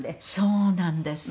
「そうなんです」